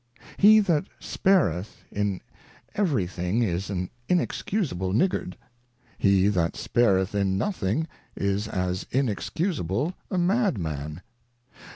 He that_S2are£A_ in every thing is ari_im, excusable Niggard ■, he that spareth in nothing is as inexcusable a Madman.